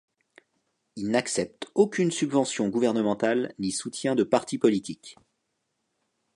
Il n'accepte aucune subvention gouvernementale ni soutien de partis politiques.